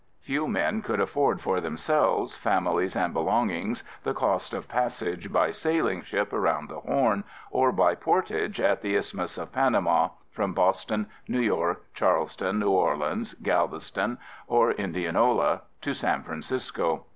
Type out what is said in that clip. Few men could afford for themselves, families and belongings the cost of passage by sailing ship, around the Horn or by portage at the Isthmus of Panama, from Boston, New York, Charleston, New Orleans, Galveston or Indianola, to San Francisco.